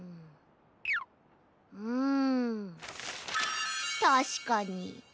うんたしかに。